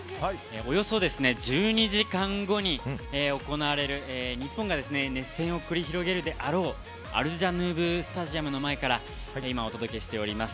およそ１２時間後に行われる日本が熱戦を繰り広げるであろうアルジャヌーブ・スタジアムの前から今、お届けしています。